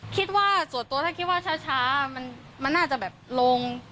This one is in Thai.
คิดว่าส่วนตัวถ้าคิดว่าช้ามันน่าจะแบบลง